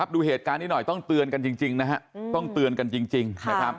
ดูเหตุการณ์นี้หน่อยต้องเตือนกันจริง